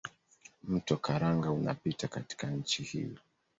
Mto Karanga unapita katika nchi hii.